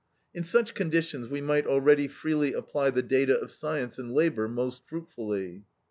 "In such conditions we might already freely apply the data of science and labor most fruitfully.